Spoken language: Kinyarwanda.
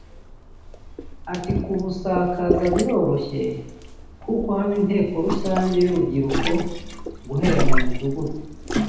Ati “Kubusakaza biroroshye kuko haba inteko rusange y’urubyiruko guhera mu mudugudu